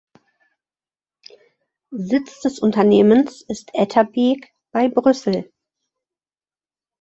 Sitz des Unternehmens ist Etterbeek bei Brüssel.